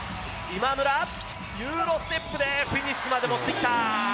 今村、ユーロステップでフィニッシュまで持ってきた！